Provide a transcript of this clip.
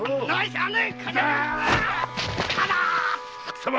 貴様！